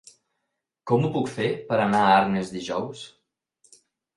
Com ho puc fer per anar a Arnes dijous?